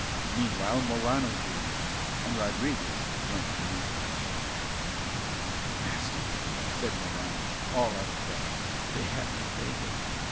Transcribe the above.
Meanwhile Morano drew near, and Rodriguez went to meet him. "Master," said Morano, all out of breath, "they had no bacon.